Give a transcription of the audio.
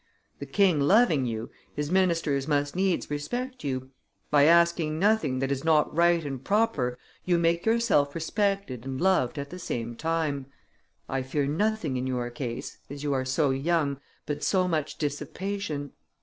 The king loving you, his ministers must needs respect you; by asking nothing that is not right and proper, you make yourself respected and loved at the same time. I fear nothing in your case (as you are so young) but too much dissipation.